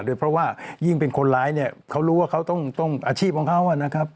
โดยเพราะว่ายิ่งเป็นคนร้ายเขารู้ว่าเขาต้องอาชีพของเขา